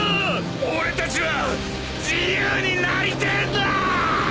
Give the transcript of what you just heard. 俺たちは自由になりてえんだー！